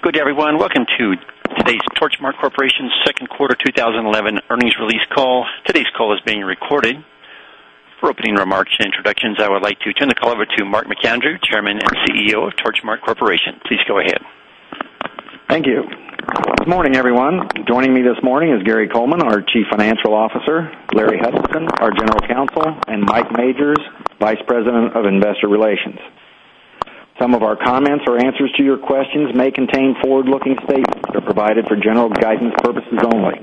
Good day, everyone. Welcome to today's Torchmark Corporation second quarter 2011 earnings release call. Today's call is being recorded. For opening remarks and introductions, I would like to turn the call over to Mark McAndrew, Chairman and CEO of Torchmark Corporation. Please go ahead. Thank you. Good morning, everyone. Joining me this morning is Gary Coleman, our Chief Financial Officer, Larry Hutchison, our General Counsel, and Mike Majors, Vice President of Investor Relations. Some of our comments or answers to your questions may contain forward-looking statements that are provided for general guidance purposes only.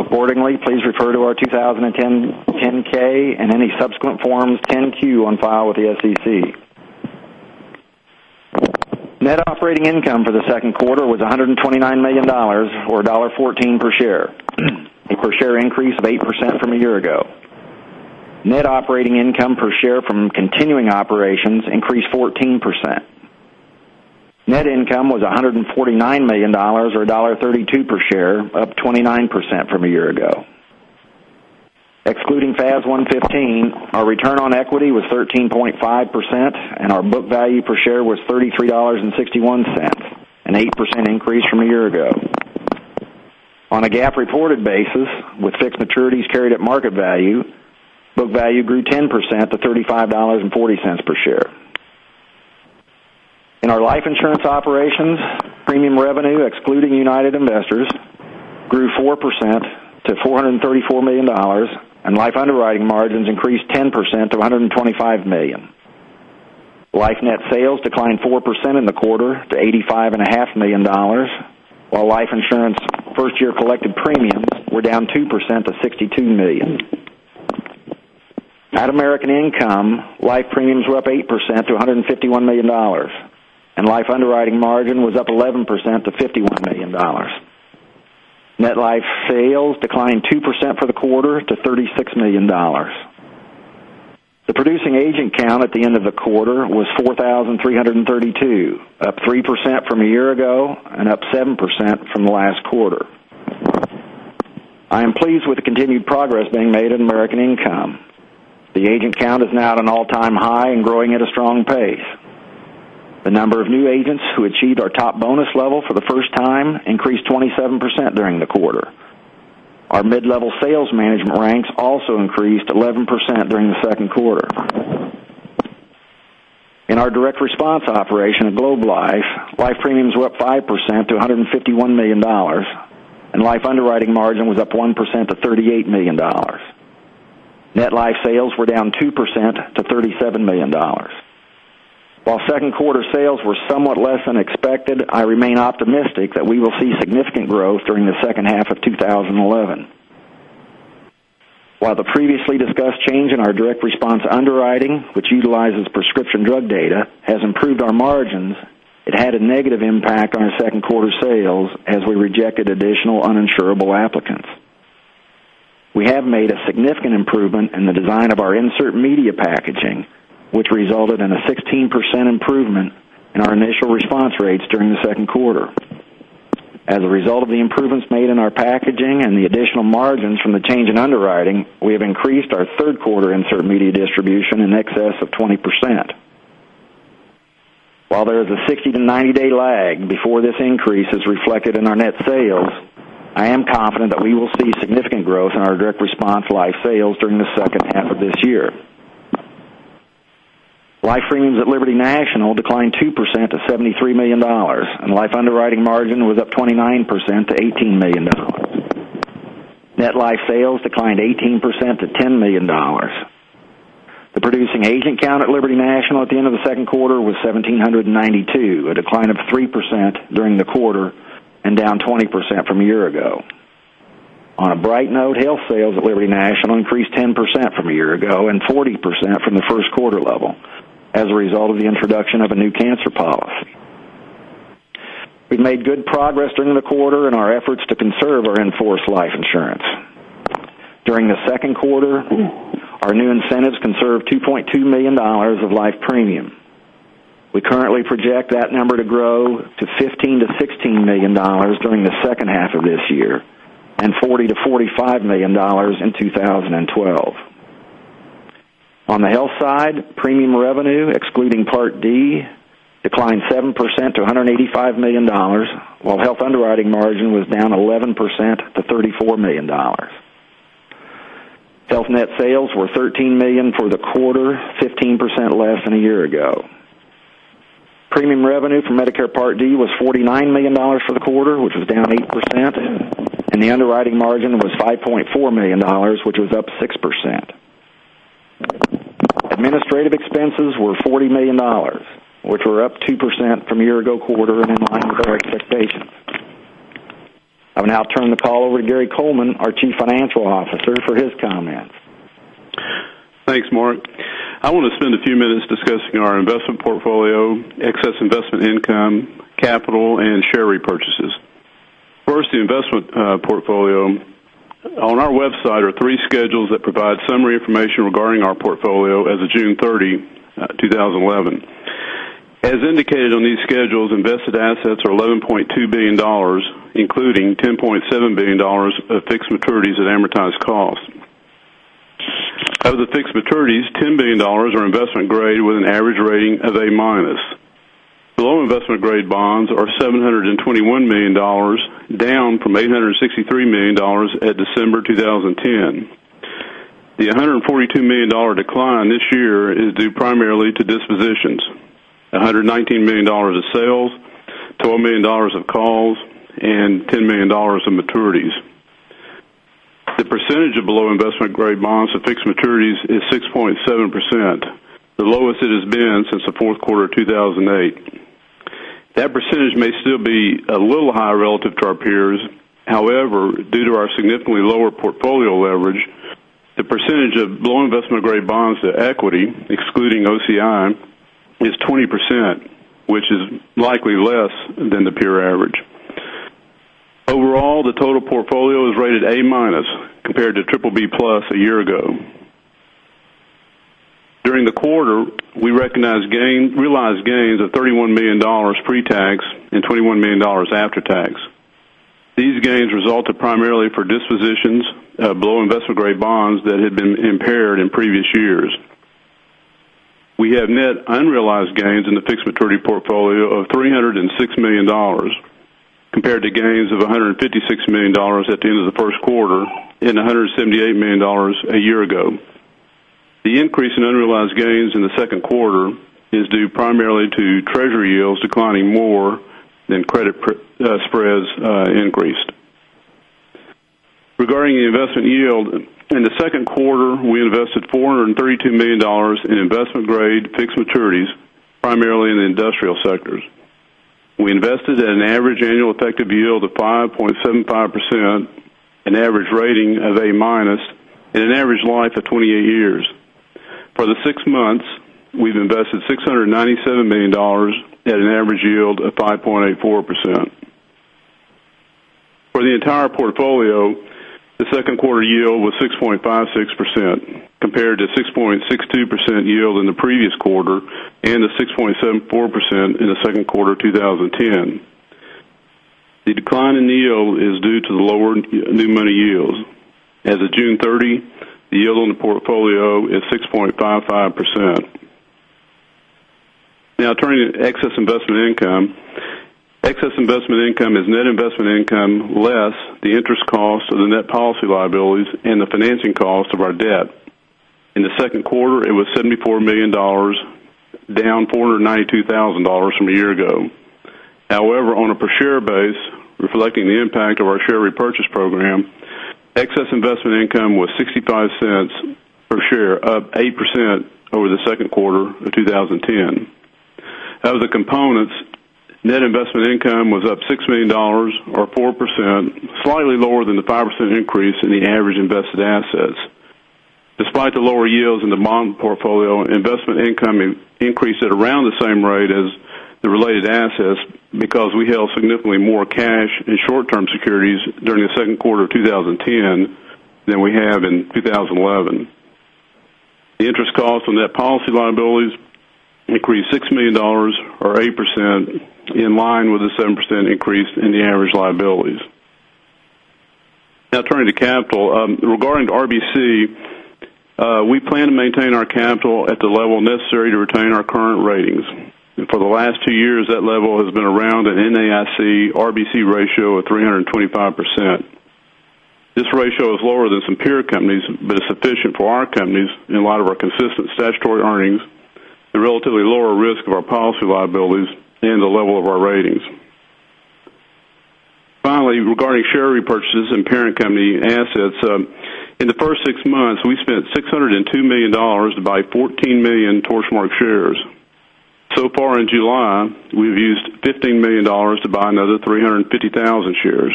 Accordingly, please refer to our 2010 10-K and any subsequent forms 10-Q on file with the SEC. Net operating income for the second quarter was $129 million, or $1.14 per share, a per share increase of 8% from a year ago. Net operating income per share from continuing operations increased 14%. Net income was $149 million, or $1.32 per share, up 29% from a year ago. Excluding FAS 115, our return on equity was 13.5%, and our book value per share was $33.61, an 8% increase from a year ago. On a GAAP reported basis, with fixed maturities carried at market value, book value grew 10% to $35.40 per share. In our life insurance operations, premium revenue, excluding United Investors, grew 4% to $434 million, and life underwriting margins increased 10% to $125 million. Life net sales declined 4% in the quarter to $85.5 million, while life insurance first-year collected premiums were down 2% to $62 million. At American Income, life premiums were up 8% to $151 million, and life underwriting margin was up 11% to $51 million. Net life sales declined 2% for the quarter to $36 million. The producing agent count at the end of the quarter was 4,332, up 3% from a year ago and up 7% from last quarter. I am pleased with the continued progress being made at American Income. The agent count is now at an all-time high and growing at a strong pace. The number of new agents who achieved our top bonus level for the first time increased 27% during the quarter. Our mid-level sales management ranks also increased 11% during the second quarter. In our direct response operation at Globe Life, life premiums were up 5% to $151 million, and life underwriting margin was up 1% to $38 million. Net life sales were down 2% to $37 million. While second quarter sales were somewhat less than expected, I remain optimistic that we will see significant growth during the second half of 2011. While the previously discussed change in our direct response underwriting, which utilizes prescription drug data, has improved our margins, it had a negative impact on our second-quarter sales as we rejected additional uninsurable applicants. We have made a significant improvement in the design of our insert media packaging, which resulted in a 16% improvement in our initial response rates during the second quarter. As a result of the improvements made in our packaging and the additional margins from the change in underwriting, we have increased our third quarter insert media distribution in excess of 20%. While there is a 60-90 day lag before this increase is reflected in our net sales, I am confident that we will see significant growth in our direct response life sales during the second half of this year. Life premiums at Liberty National declined 2% to $73 million, and life underwriting margin was up 29% to $18 million. Net life sales declined 18% to $10 million. The producing agent count at Liberty National at the end of the second quarter was 1,792, a decline of 3% during the quarter and down 20% from a year ago. On a bright note, health sales at Liberty National increased 10% from a year ago and 40% from the first quarter level as a result of the introduction of a new cancer policy. We've made good progress during the quarter in our efforts to conserve our in-force life insurance. During the second quarter, our new incentives conserved $2.2 million of life premium. We currently project that number to grow to $15 million-$16 million during the second half of this year and $40 million-$45 million in 2012. On the health side, premium revenue, excluding Part D, declined 7% to $185 million, while health underwriting margin was down 11% to $34 million. Health net sales were $13 million for the quarter, 15% less than a year ago. Premium revenue for Medicare Part D was $49 million for the quarter, which was down 8%, and the underwriting margin was $5.4 million, which was up 6%. Administrative expenses were $40 million, which were up 2% from year ago quarter and in line with our expectations. I will now turn the call over to Gary Coleman, our Chief Financial Officer, for his comments. Thanks, Mark. I want to spend a few minutes discussing our investment portfolio, excess investment income, capital, and share repurchases. First, the investment portfolio. On our website are three schedules that provide summary information regarding our portfolio as of June 30, 2011. As indicated on these schedules, invested assets are $11.2 billion, including $10.7 billion of fixed maturities at amortized cost. Out of the fixed maturities, $10 billion are investment-grade with an average rating of A-minus. Below investment-grade bonds are $721 million, down from $863 million at December 2010. The $142 million decline this year is due primarily to dispositions, $119 million of sales, $12 million of calls, and $10 million in maturities. The percentage of below investment-grade bonds to fixed maturities is 6.7%, the lowest it has been since the fourth quarter of 2008. That percentage may still be a little higher relative to our peers. However, due to our significantly lower portfolio leverage, the percentage of below investment-grade bonds to equity, excluding OCI, is 20%, which is likely less than the peer average. Overall, the total portfolio is rated A-minus, compared to triple B plus a year ago. During the quarter, we recognized realized gains of $31 million pre-tax and $21 million after tax. These gains resulted primarily for dispositions below investment-grade bonds that had been impaired in previous years. We have net unrealized gains in the fixed maturity portfolio of $306 million, compared to gains of $156 million at the end of the first quarter and $178 million a year ago. The increase in unrealized gains in the second quarter is due primarily to Treasury yields declining more than credit spreads increased. Regarding the investment yield, in the second quarter, we invested $432 million in investment-grade fixed maturities, primarily in the industrial sectors. We invested at an average annual effective yield of 5.75%, an average rating of A-minus, and an average life of 28 years. For the six months, we've invested $697 million at an average yield of 5.84%. For the entire portfolio, the second quarter yield was 6.56%, compared to 6.62% yield in the previous quarter and a 6.74% in the second quarter of 2010. The decline in yield is due to the lower new money yields. As of June 30, the yield on the portfolio is 6.55%. Now turning to excess investment income. Excess investment income is net investment income less the interest cost of the net policy liabilities and the financing cost of our debt. In the second quarter, it was $74 million, down $492,000 from a year ago. On a per-share base, reflecting the impact of our share repurchase program, excess investment income was $0.65 per share, up 8% over the second quarter of 2010. Out of the components, net investment income was up $6 million, or 4%, slightly lower than the 5% increase in the average invested assets. Despite the lower yields in the bond portfolio, investment income increased at around the same rate as the related assets because we held significantly more cash in short-term securities during the second quarter of 2010 than we have in 2011. The interest cost on net policy liabilities increased $6 million, or 8%, in line with a 7% increase in the average liabilities. Now turning to capital. Regarding RBC, we plan to maintain our capital at the level necessary to retain our current ratings. For the last two years, that level has been around an NAIC RBC ratio of 325%. This ratio is lower than some peer companies, but is sufficient for our companies in light of our consistent statutory earnings, the relatively lower risk of our policy liabilities, and the level of our ratings. Finally, regarding share repurchases and parent company assets. In the first six months, we spent $602 million to buy 14 million Torchmark shares. So far in July, we've used $15 million to buy another 350,000 shares.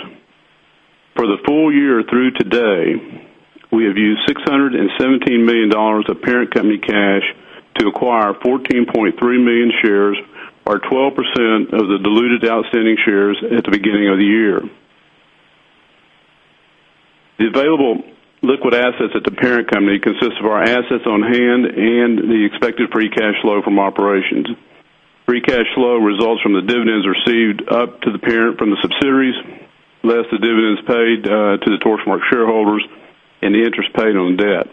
For the full year through today, we have used $617 million of parent company cash to acquire 14.3 million shares, or 12% of the diluted outstanding shares at the beginning of the year. The available liquid assets at the parent company consists of our assets on hand and the expected free cash flow from operations. Free cash flow results from the dividends received up to the parent from the subsidiaries, less the dividends paid to the Torchmark shareholders and the interest paid on debt.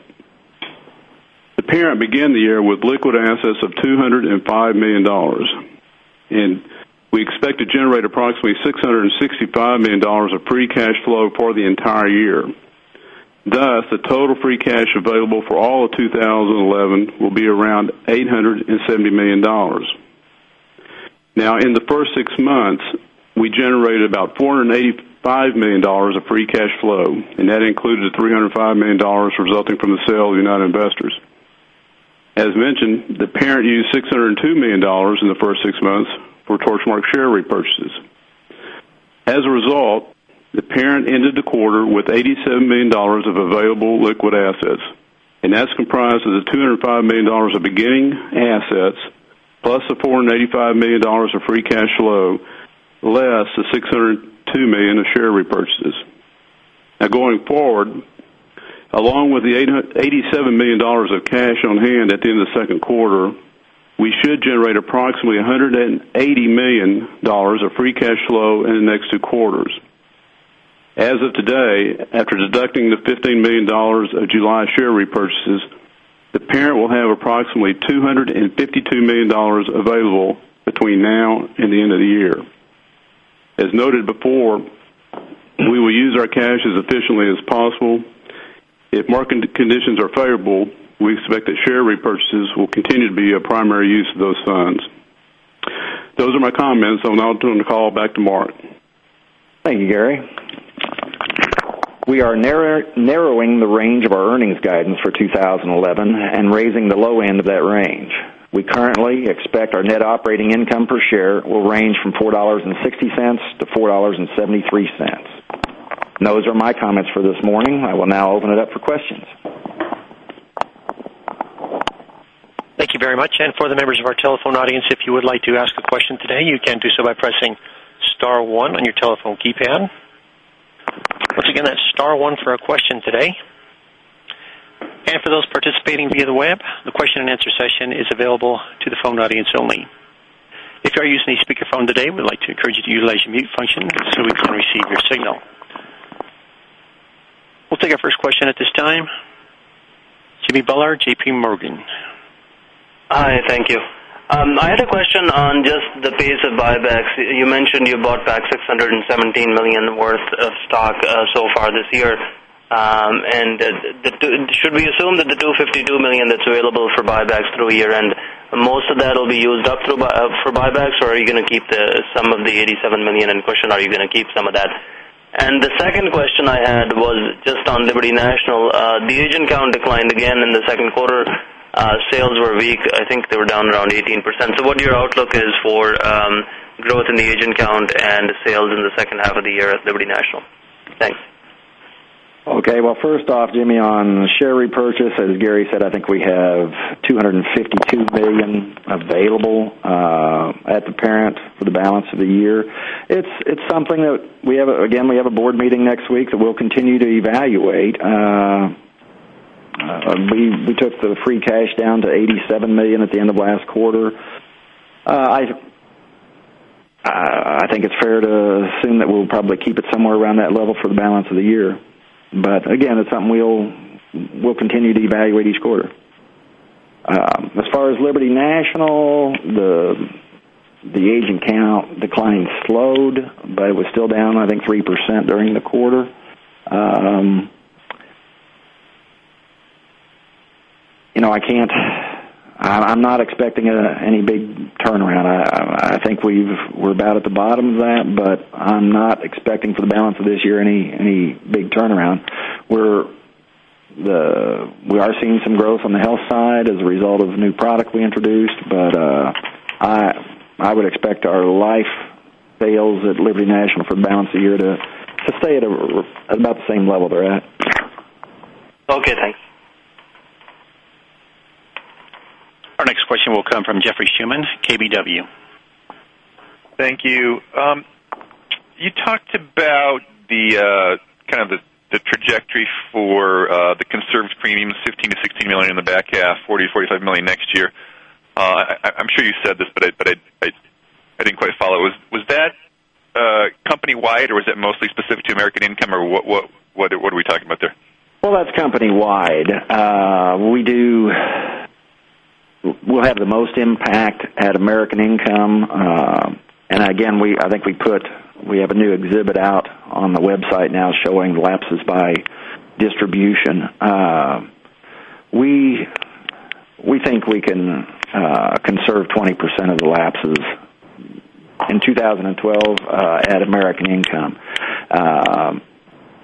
The parent began the year with liquid assets of $205 million. We expect to generate approximately $665 million of free cash flow for the entire year. The total free cash available for all of 2011 will be around $870 million. In the first six months, we generated about $485 million of free cash flow, that included $305 million resulting from the sale of United Investors. As mentioned, the parent used $602 million in the first six months for Torchmark share repurchases. As a result, the parent ended the quarter with $87 million of available liquid assets, and that's comprised of the $205 million of beginning assets, plus the $485 million of free cash flow, less the $602 million of share repurchases. Going forward, along with the $87 million of cash on hand at the end of the second quarter, we should generate approximately $180 million of free cash flow in the next two quarters. As of today, after deducting the $15 million of July share repurchases, the parent will have approximately $252 million available between now and the end of the year. As noted before, we will use our cash as efficiently as possible. If market conditions are favorable, we expect that share repurchases will continue to be a primary use of those funds. Those are my comments. I will now turn the call back to Mark. Thank you, Gary. We are narrowing the range of our earnings guidance for 2011 and raising the low end of that range. We currently expect our net operating income per share will range from $4.60 to $4.73. Those are my comments for this morning. I will now open it up for questions. Thank you very much. For the members of our telephone audience, if you would like to ask a question today, you can do so by pressing star one on your telephone keypad. Once again, that's star one for a question today. For those participating via the web, the question and answer session is available to the phone audience only. If you are using a speakerphone today, we would like to encourage you to utilize your mute function so we can receive your signal. We will take our first question at this time. Jimmy Bhullar, JPMorgan. Hi, thank you. I had a question on just the pace of buybacks. You mentioned you bought back $617 million worth of stock so far this year. Should we assume that the $252 million that's available for buybacks through year-end, most of that will be used up for buybacks or are you going to keep some of the $87 million in cushion? Are you going to keep some of that? The second question I had was just on Liberty National. The agent count declined again in the second quarter. Sales were weak. I think they were down around 18%. What your outlook is for growth in the agent count and sales in the second half of the year at Liberty National? Thanks. Okay. Well, first off, Jimmy, on share repurchase, as Gary said, I think we have $252 million available at the parent for the balance of the year. It's something that we have. Again, we have a board meeting next week that we'll continue to evaluate. We took the free cash down to $87 million at the end of last quarter. I think it's fair to assume that we'll probably keep it somewhere around that level for the balance of the year. Again, it's something we'll continue to evaluate each quarter. As far as Liberty National, the agent count decline slowed, but it was still down, I think 3% during the quarter. I'm not expecting any big turnaround. I think we're about at the bottom of that, but I'm not expecting for the balance of this year any big turnaround. We are seeing some growth on the health side as a result of the new product we introduced. I would expect our life sales at Liberty National for the balance of the year to stay at about the same level they're at. Okay, thanks. Our next question will come from Jeffrey Schuman, KBW. Thank you. You talked about the trajectory for the conserved premiums, $15 million-$16 million in the back half, $40 million-$45 million next year. I'm sure you said this, but I didn't quite follow. Was that company-wide or was that mostly specific to American Income, or what are we talking about there? Well, that's company-wide. We'll have the most impact at American Income. Again, I think we have a new exhibit out on the website now showing lapses by distribution. We think we can conserve 20% of the lapses in 2012 at American Income,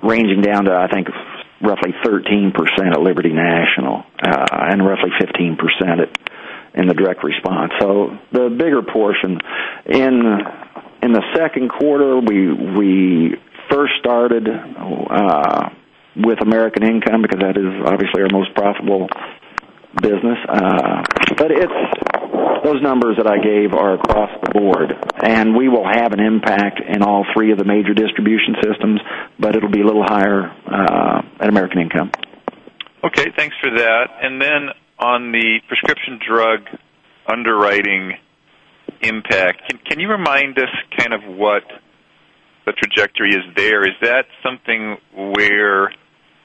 ranging down to, I think, roughly 13% at Liberty National and roughly 15% in the direct response. The bigger portion. In the second quarter, we first started with American Income because that is obviously our most profitable business. Those numbers that I gave are across the board, and we will have an impact in all three of the major distribution systems, but it'll be a little higher at American Income. Okay, thanks for that. Then on the prescription drug underwriting impact, can you remind us what the trajectory is there? Is that something where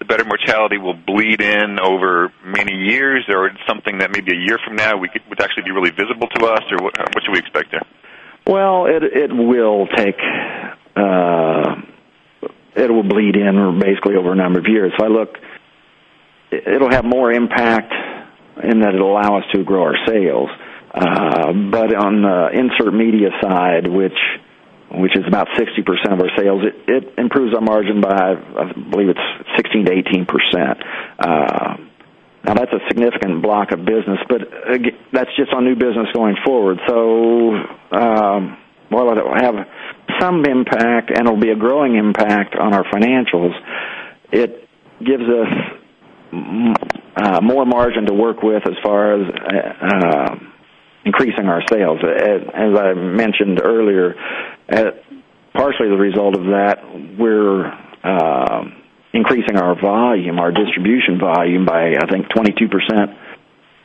the better mortality will bleed in over many years? Or it's something that maybe a year from now would actually be really visible to us? Or what should we expect there? It will bleed in basically over a number of years. It will have more impact in that it will allow us to grow our sales. On the insert media side, which is about 60% of our sales, it improves our margin by, I believe it is 16%-18%. That is a significant block of business, but that is just on new business going forward. While it will have some impact and it will be a growing impact on our financials, it gives us more margin to work with as far as increasing our sales. As I mentioned earlier, partially the result of that, we are increasing our volume, our distribution volume by, I think, 22%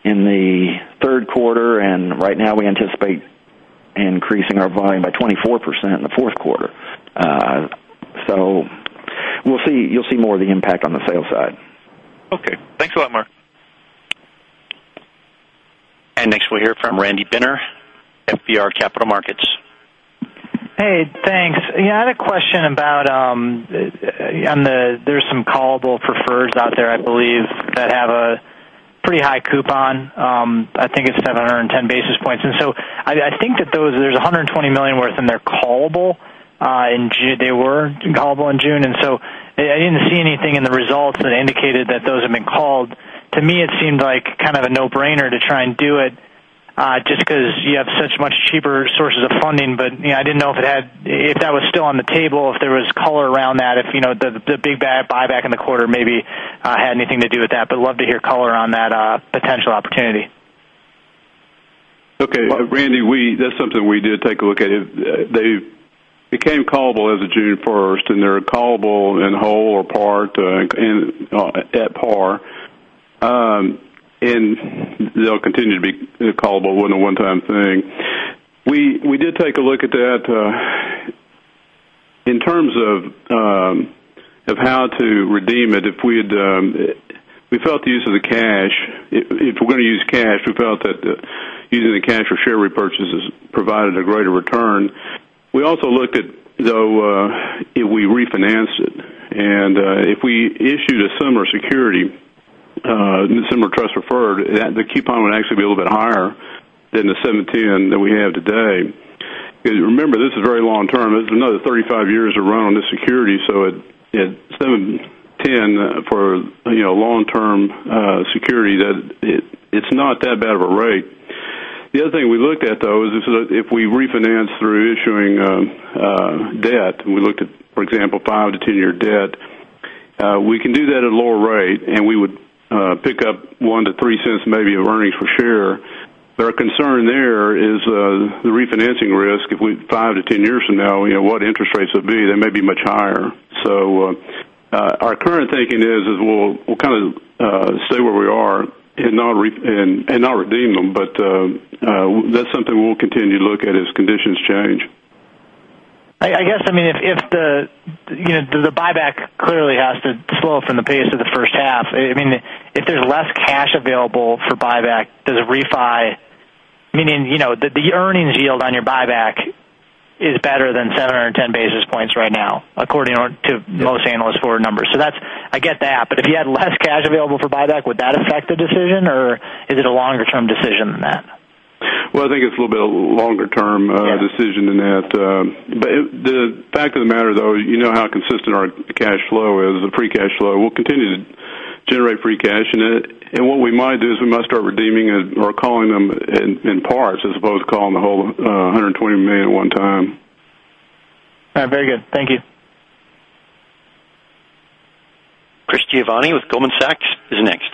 in the third quarter, and right now we anticipate increasing our volume by 24% in the fourth quarter. You will see more of the impact on the sales side. Okay. Thanks a lot, Mark. Next we will hear from Randy Binner, FBR Capital Markets. Hey, thanks. I had a question about there is some callable prefers out there, I believe, that have a pretty high coupon. I think it is 710 basis points. I think that there is $120 million worth in there callable. They were callable in June, I did not see anything in the results that indicated that those have been called. To me, it seemed like kind of a no-brainer to try and do it, just because you have such much cheaper sources of funding. I did not know if that was still on the table, if there was color around that, if the big buyback in the quarter maybe had anything to do with that. Love to hear color on that potential opportunity. Okay. Randy, that's something we did take a look at. They became callable as of June 1st, and they're callable in whole or part at par. They'll continue to be callable. It wasn't a one-time thing. We did take a look at that. In terms of how to redeem it, if we're going to use cash, we felt that using the cash for share repurchases provided a greater return. We also looked at, though, if we refinanced it, if we issued a similar security, a similar trust preferred, the coupon would actually be a little bit higher than the 710 that we have today. Remember, this is very long term. This is another 35 years to run on this security. At 710 for long-term security, it's not that bad of a rate. The other thing we looked at, though, is if we refinance through issuing debt. We looked at, for example, 5-10-year debt. We can do that at a lower rate, we would pick up $0.01-$0.03 maybe of earnings for share. The concern there is the refinancing risk. If we, 5-10 years from now, what interest rates would be, they may be much higher. Our current thinking is we'll kind of stay where we are and not redeem them, that's something we'll continue to look at as conditions change. I guess, the buyback clearly has to slow from the pace of the first half. If there's less cash available for buyback, does it refi? Meaning, the earnings yield on your buyback is better than 710 basis points right now according to most analysts' forward numbers. I get that. If you had less cash available for buyback, would that affect the decision, or is it a longer-term decision than that? Well, I think it's a little bit longer-term decision than that. Yeah. The fact of the matter, though, you know how consistent our cash flow is, the free cash flow. We'll continue to generate free cash in it. What we might do is we might start redeeming it or calling them in parts as opposed to calling the whole $120 million at one time. All right. Very good. Thank you. Chris Giovanni with Goldman Sachs is next.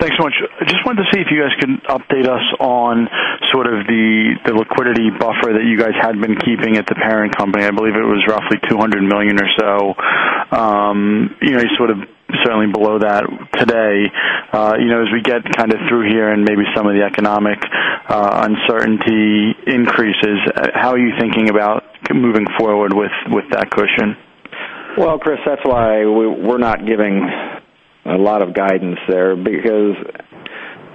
Thanks so much. I just wanted to see if you guys can update us on sort of the liquidity buffer that you guys had been keeping at the parent company. I believe it was roughly $200 million or so. You're sort of certainly below that today. As we get kind of through here and maybe some of the economic uncertainty increases, how are you thinking about moving forward with that cushion? Well, Chris, that's why we're not giving a lot of guidance there, because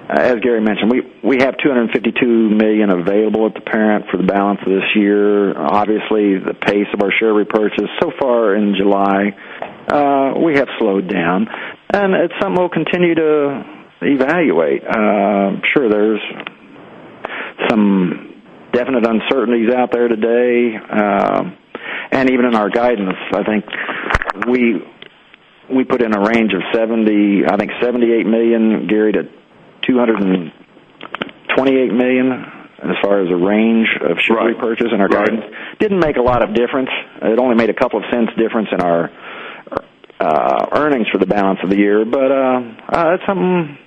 as Gary mentioned, we have $252 million available at the parent for the balance of this year. Obviously, the pace of our share repurchase so far in July, we have slowed down. It's something we'll continue to evaluate. Sure, there's some definite uncertainties out there today. Even in our guidance, I think we put in a range of $78 million, Gary, to $228 million as far as the range of share repurchase in our guidance. Right. Didn't make a lot of difference. It only made $0.02 difference in our earnings for the balance of the year. That's something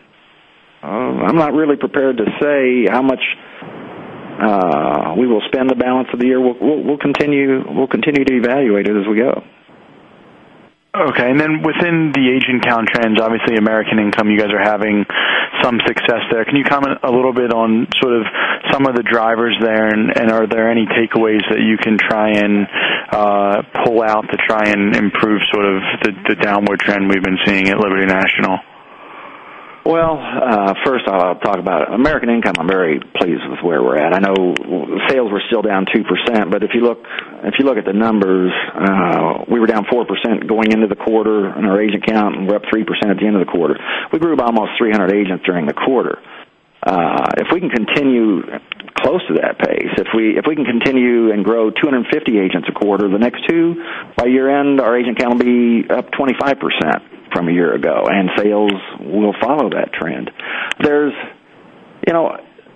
I'm not really prepared to say how much we will spend the balance of the year. We'll continue to evaluate it as we go. Okay. Within the agent count trends, obviously American Income, you guys are having some success there. Can you comment a little bit on sort of some of the drivers there, and are there any takeaways that you can try and pull out to try and improve sort of the downward trend we've been seeing at Liberty National? Well, first I'll talk about American Income. I'm very pleased with where we're at. I know sales were still down 2%, but if you look at the numbers, we were down 4% going into the quarter in our agent count, and we're up 3% at the end of the quarter. We grew by almost 300 agents during the quarter. If we can continue close to that pace, if we can continue and grow 250 agents a quarter the next two, by year-end, our agent count will be up 25% from a year ago, and sales will follow that trend. There's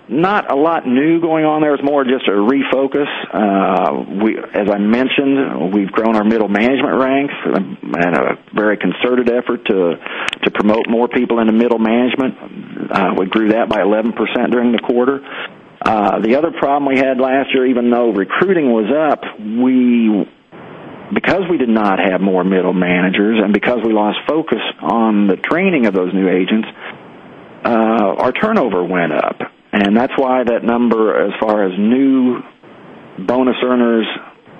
not a lot new going on there. It's more just a refocus. As I mentioned, we've grown our middle management ranks in a very concerted effort to Promote more people into middle management. We grew that by 11% during the quarter. The other problem we had last year, even though recruiting was up, because we did not have more middle managers and because we lost focus on the training of those new agents, our turnover went up. That's why that number, as far as new bonus earners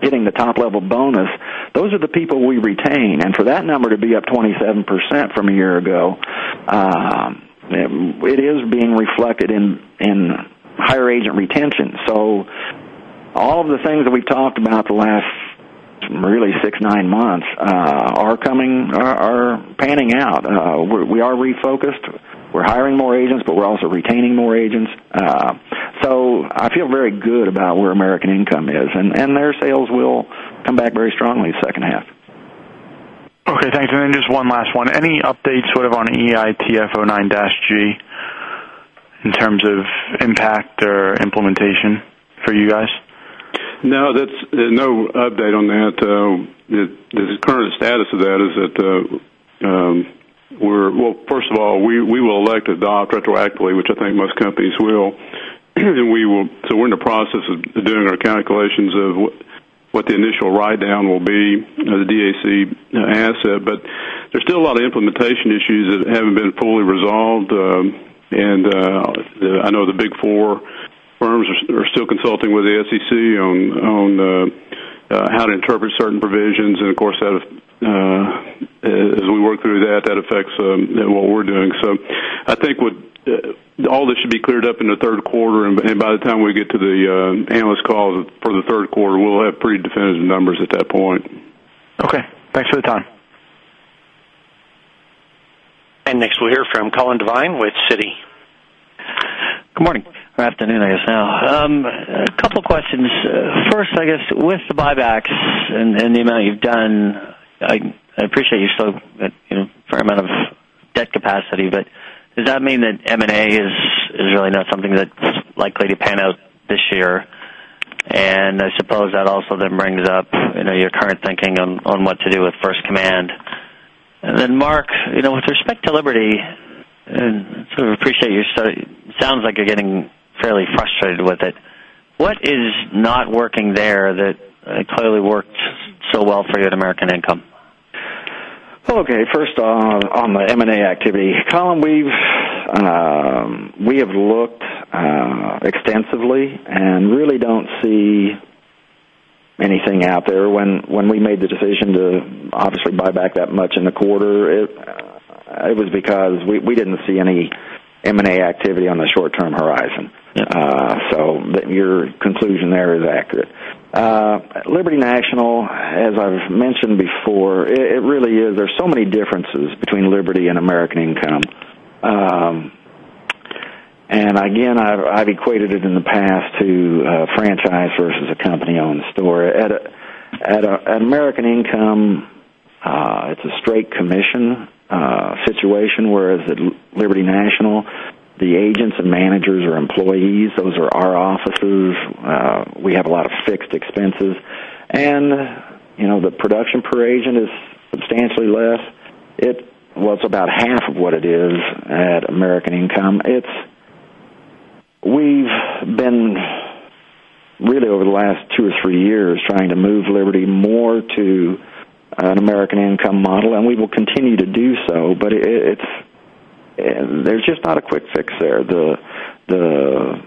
getting the top-level bonus, those are the people we retain. For that number to be up 27% from a year ago, it is being reflected in higher agent retention. All of the things that we've talked about the last really six, nine months are panning out. We are refocused. We're hiring more agents, but we're also retaining more agents. I feel very good about where American Income is, and their sales will come back very strongly second half. Okay, thanks. Then just one last one. Any updates on EITF 09-G in terms of impact or implementation for you guys? No, no update on that. The current status of that is that, first of all, we will elect adopt retroactively, which I think most companies will. We're in the process of doing our calculations of what the initial write-down will be, the DAC asset. There's still a lot of implementation issues that haven't been fully resolved. I know the Big Four firms are still consulting with the SEC on how to interpret certain provisions. Of course, as we work through that affects what we're doing. I think all that should be cleared up in the third quarter, and by the time we get to the analyst call for the third quarter, we'll have pretty definitive numbers at that point. Okay. Thanks for the time. Next we'll hear from Colin Devine with Citi. Good morning or afternoon, I guess now. A couple of questions. I guess with the buybacks and the amount you've done, I appreciate you still have a fair amount of debt capacity, but does that mean that M&A is really not something that's likely to pan out this year? I suppose that also then brings up your current thinking on what to do with First Command. Then Mark, with respect to Liberty, sounds like you're getting fairly frustrated with it. What is not working there that clearly worked so well for you at American Income? Okay, first on the M&A activity. Colin, we have looked extensively and really don't see anything out there. When we made the decision to obviously buy back that much in the quarter, it was because we didn't see any M&A activity on the short-term horizon. Your conclusion there is accurate. Liberty National, as I've mentioned before, there's so many differences between Liberty and American Income. Again, I've equated it in the past to a franchise versus a company-owned store. At American Income, it's a straight commission situation, whereas at Liberty National, the agents and managers are employees. Those are our offices. We have a lot of fixed expenses. The production per agent is substantially less. It was about half of what it is at American Income. We've been, really over the last two or three years, trying to move Liberty more to an American Income model, and we will continue to do so, but there's just not a quick fix there. The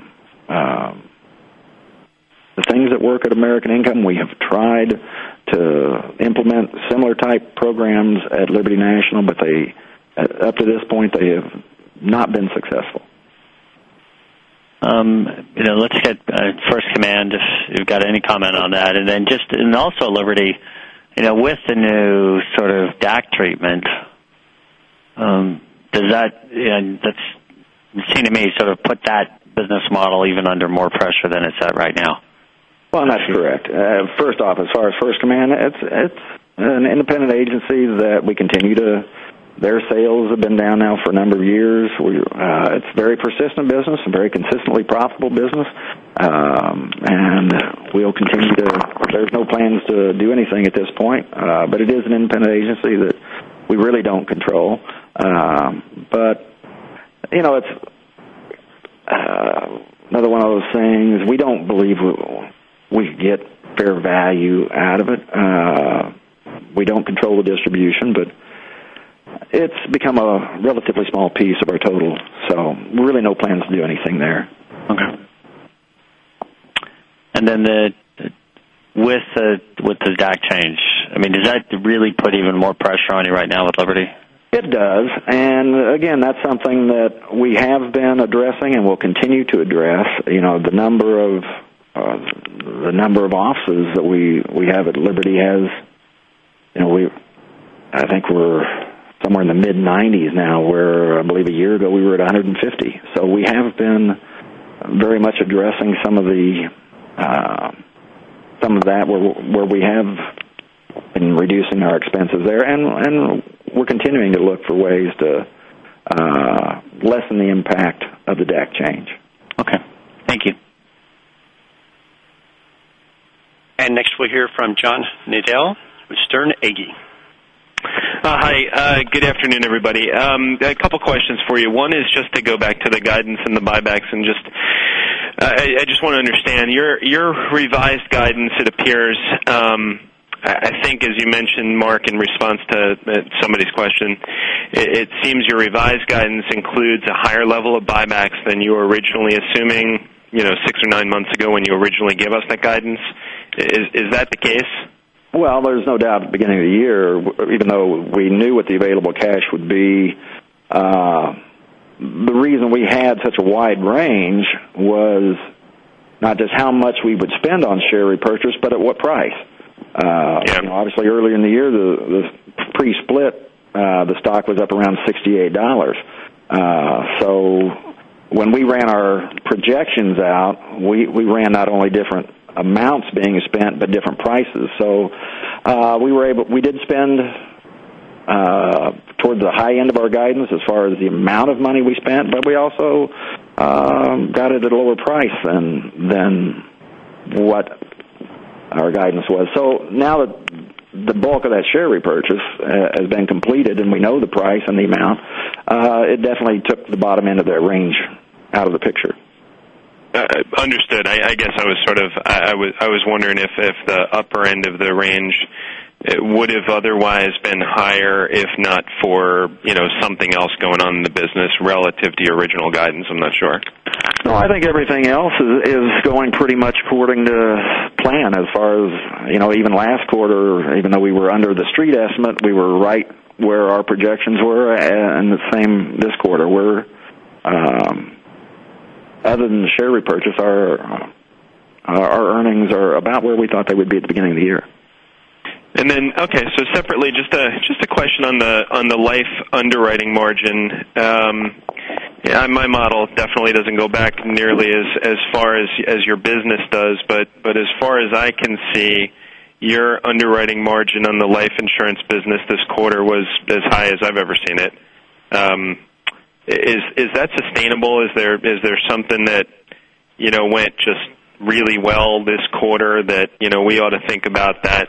things that work at American Income, we have tried to implement similar type programs at Liberty National, but up to this point, they have not been successful. Let's hit First Command, if you've got any comment on that. Also Liberty, with the new sort of DAC treatment, does that sort of put that business model even under more pressure than it's at right now. Well, that's correct. First off, as far as First Command, it's an independent agency. Their sales have been down now for a number of years. It's a very persistent business, a very consistently profitable business, there's no plans to do anything at this point. It is an independent agency that we really don't control. It's another one of those things. We don't believe we get fair value out of it. We don't control the distribution, but it's become a relatively small piece of our total. Really no plans to do anything there. Okay. With the DAC change, does that really put even more pressure on you right now with Liberty? It does. Again, that's something that we have been addressing and will continue to address. The number of offices that we have at Liberty, I think we're somewhere in the mid-90s now, where I believe a year ago, we were at 150. We have been very much addressing some of that, where we have been reducing our expenses there, and we're continuing to look for ways to lessen the impact of the DAC change. Okay. Thank you. Next we'll hear from John Nadel with Sterne Agee. Hi, good afternoon, everybody. A couple questions for you. One is just to go back to the guidance and the buybacks, and I just want to understand. Your revised guidance, it appears, I think as you mentioned, Mark, in response to somebody's question, it seems your revised guidance includes a higher level of buybacks than you were originally assuming six or nine months ago when you originally gave us that guidance. Is that the case? Well, there's no doubt at the beginning of the year, even though we knew what the available cash would be, the reason we had such a wide range was not just how much we would spend on share repurchase, but at what price. Yeah. Obviously, earlier in the year, the pre-split, the stock was up around $68. When we ran our projections out, we ran not only different amounts being spent but different prices. We did spend towards the high end of our guidance as far as the amount of money we spent, but we also got it at a lower price than what our guidance was. Now that the bulk of that share repurchase has been completed, and we know the price and the amount, it definitely took the bottom end of that range out of the picture. Understood. I guess I was wondering if the upper end of the range would have otherwise been higher, if not for something else going on in the business relative to your original guidance. I'm not sure. No, I think everything else is going pretty much according to plan. As far as even last quarter, even though we were under the Street estimate, we were right where our projections were, and the same this quarter, where other than the share repurchase, our earnings are about where we thought they would be at the beginning of the year. Okay, separately, just a question on the life underwriting margin. My model definitely doesn't go back nearly as far as your business does, but as far as I can see, your underwriting margin on the life insurance business this quarter was as high as I've ever seen it. Is that sustainable? Is there something that went just really well this quarter that we ought to think about that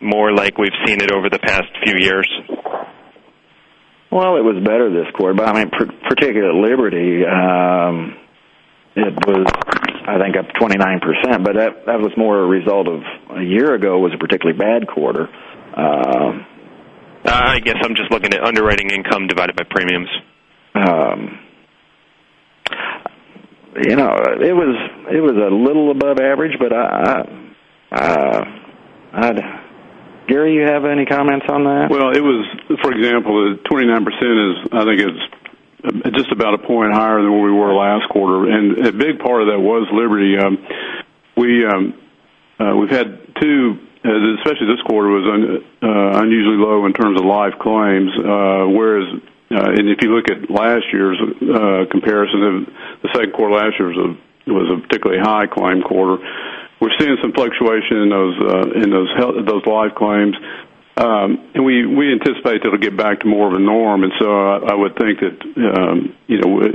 more like we've seen it over the past few years? Well, it was better this quarter, but particularly at Liberty, it was, I think, up 29%, but that was more a result of a year ago was a particularly bad quarter. I guess I'm just looking at underwriting income divided by premiums. It was a little above average. Gary, you have any comments on that? Well, for example, 29% is, I think it's just about a point higher than where we were last quarter, and a big part of that was Liberty. We've had two, especially this quarter, was unusually low in terms of life claims. Whereas if you look at last year's comparison, the second quarter last year was a particularly high claim quarter. We're seeing some fluctuation in those life claims. We anticipate that'll get back to more of a norm. So I would think that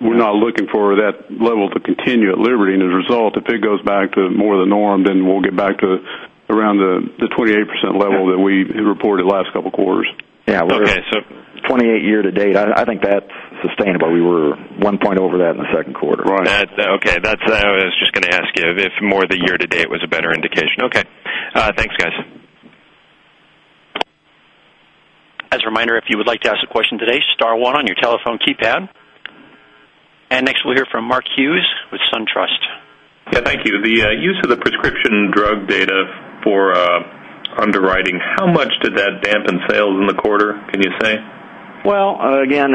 we're not looking for that level to continue at Liberty. As a result, if it goes back to more the norm, then we'll get back to around the 28% level that we reported last couple of quarters. Yeah. Okay. 28% year-to-date, I think that's sustainable. We were 1 point over that in the second quarter. Right. Okay. I was just going to ask you if more of the year-to-date was a better indication. Okay. Thanks, guys. As a reminder, if you would like to ask a question today, star 1 on your telephone keypad. Next we'll hear from Mark Hughes with SunTrust. Yeah, thank you. The use of the prescription drug data for underwriting, how much did that dampen sales in the quarter, can you say? Well, again,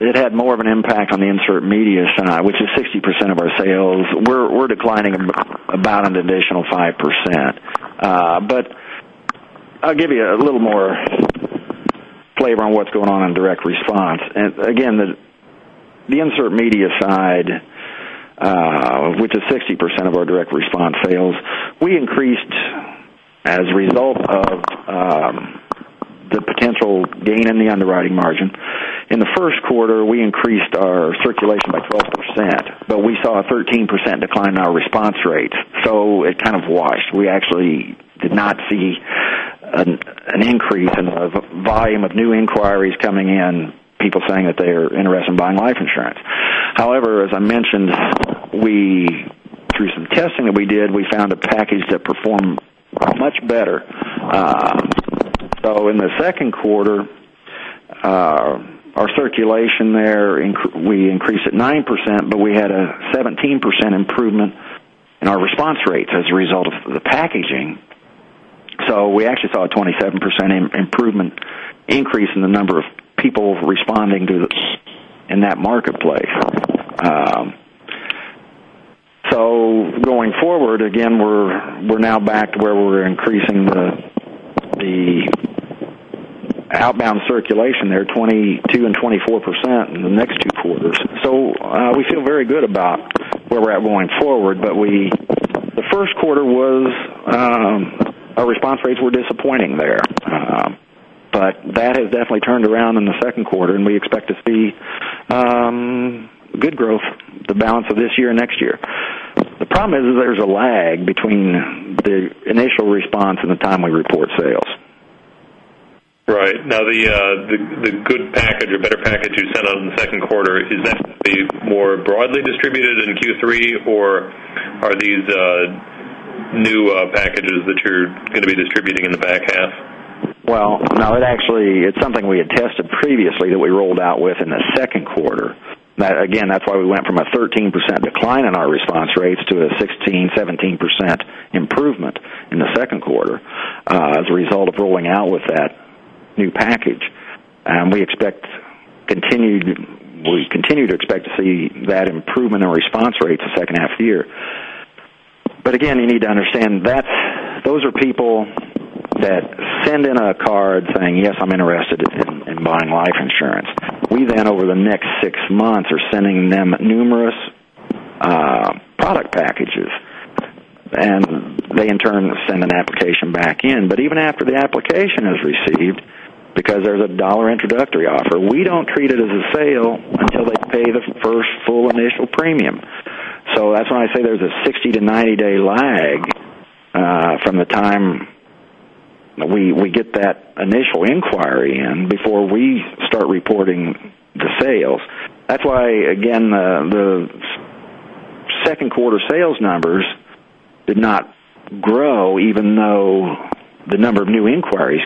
it had more of an impact on the insert media side, which is 60% of our sales. We're declining about an additional 5%. I'll give you a little more flavor on what's going on in direct response. Again, the insert media side, which is 60% of our direct response sales, we increased as a result of the potential gain in the underwriting margin. In the first quarter, we increased our circulation by 12%, but we saw a 13% decline in our response rates, so it kind of washed. We actually did not see an increase in the volume of new inquiries coming in, people saying that they are interested in buying life insurance. However, as I mentioned, through some testing that we did, we found a package that performed much better. In the second quarter, our circulation there, we increased it 9%, but we had a 17% improvement in our response rates as a result of the packaging. We actually saw a 27% increase in the number of people responding in that marketplace. Going forward, again, we're now back to where we're increasing the outbound circulation there 22% and 24% in the next two quarters. We feel very good about where we're at going forward. The first quarter our response rates were disappointing there. That has definitely turned around in the second quarter, and we expect to see good growth the balance of this year and next year. The problem is that there's a lag between the initial response and the time we report sales. Right. Now, the good package or better package you sent out in the second quarter, is that going to be more broadly distributed in Q3, or are these new packages that you're going to be distributing in the back half? Well, no. It's something we had tested previously that we rolled out with in the second quarter. Again, that's why we went from a 13% decline in our response rates to a 16%, 17% improvement in the second quarter, as a result of rolling out with that new package. We continue to expect to see that improvement in response rates the second half of the year. Again, you need to understand, those are people that send in a card saying, "Yes, I'm interested in buying life insurance." We then, over the next six months, are sending them numerous product packages, and they in turn send an application back in. Even after the application is received, because there's a $1 introductory offer, we don't treat it as a sale until they pay the first full initial premium. That's why I say there's a 60- to 90-day lag from the time we get that initial inquiry in before we start reporting the sales. That's why, again, the second quarter sales numbers did not grow, even though the number of new inquiries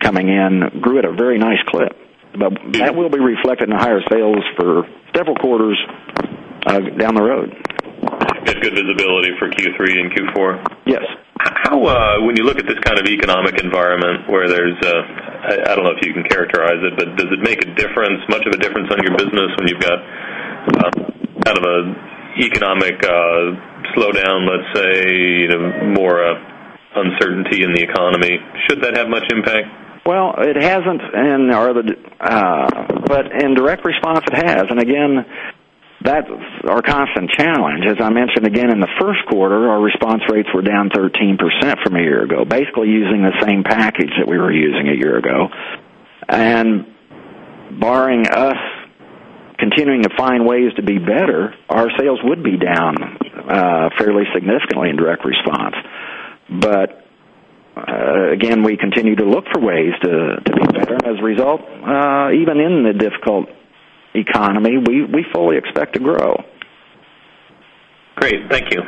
coming in grew at a very nice clip. That will be reflected in the higher sales for several quarters down the road. You have good visibility for Q3 and Q4? Yes. When you look at this kind of economic environment where there's, I don't know if you can characterize it, but does it make much of a difference on your business when you've got an economic slowdown, let's say, more uncertainty in the economy? Should that have much impact? Well, it hasn't. In direct response, it has. Again, that's our constant challenge. As I mentioned again in the first quarter, our response rates were down 13% from a year ago, basically using the same package that we were using a year ago. Barring us continuing to find ways to be better, our sales would be down fairly significantly in direct response. Again, we continue to look for ways to be better. As a result, even in the difficult economy, we fully expect to grow. Great. Thank you.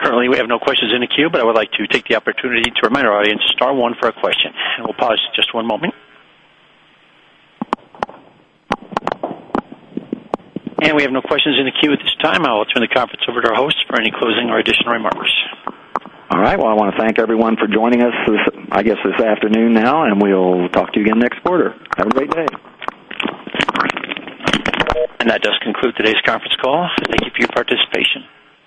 Currently, we have no questions in the queue, I would like to take the opportunity to remind our audience, star one for a question. We'll pause just one moment. We have no questions in the queue at this time. I will turn the conference over to our host for any closing or additional remarks. All right. Well, I want to thank everyone for joining us, I guess this afternoon now, We'll talk to you again next quarter. Have a great day. That does conclude today's conference call. Thank you for your participation.